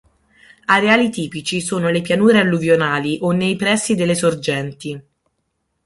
Areali tipici sono le pianure alluvionali o nei pressi delle sorgenti.